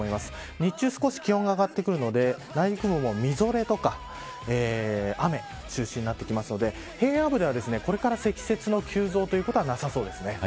日中少し気温が上がってくるので内陸部もみぞれとか雨中心になってくるので平野部では、これから積雪の急増ということはなさそうです。